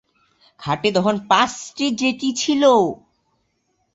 ঘাটে তখন পাঁচটি জেটি ছিল।